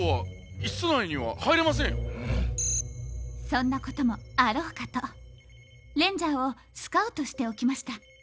そんなこともあろうかとレンジャーをスカウトしておきました。